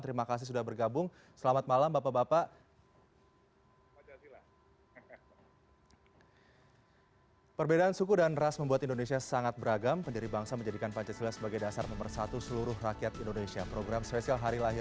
terima kasih sudah bergabung selamat malam bapak bapak